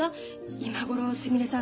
今頃すみれさん